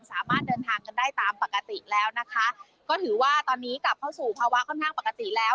สามารถเดินทางกันได้ตามปกติแล้วนะคะก็ถือว่าตอนนี้กลับเข้าสู่ภาวะค่อนข้างปกติแล้ว